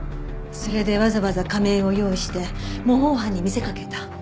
それでわざわざ仮面を用意して模倣犯に見せかけた。